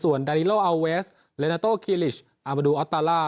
ส่วนดาริโลอาเวสเลนาโตคีลิชอามาดูออสตาล่า